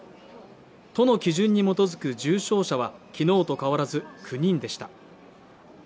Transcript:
都の基準に基づく重症者は昨日と変わらず９人でした。